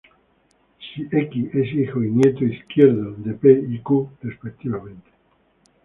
Si x es hijo y nieto izquierdo de p y q, respectivamente.